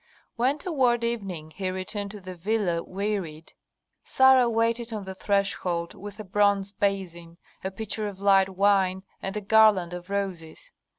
When toward evening he returned to the villa wearied, Sarah waited on the threshold with a bronze basin, a pitcher of light wine, and a garland of roses.